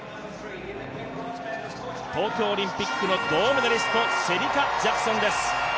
東京オリンピックの銅メダリスト、シェリカ・ジャクソンです。